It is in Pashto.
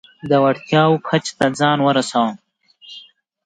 وړتیاوو کچه ته ځان ورسوو.